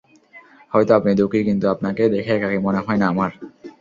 হয়তো আপনি দুঃখী, কিন্তু আপনাকে দেখে একাকী মনে হয় না আমার।